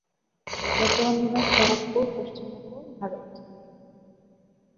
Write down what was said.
বর্তমান নিবাস ব্যারাকপুর, পশ্চিমবঙ্গ, ভারত।